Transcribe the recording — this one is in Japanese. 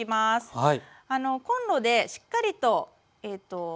はい。